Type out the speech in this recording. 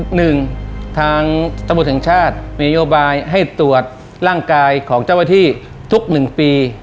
หนึ่งทางตำรวจแห่งชาติมีนโยบายให้ตรวจร่างกายของเจ้าหน้าที่ทุกหนึ่งปี